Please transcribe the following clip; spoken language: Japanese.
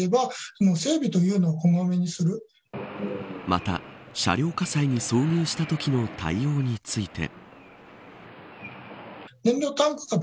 また、車両火災に遭遇したときの対応について。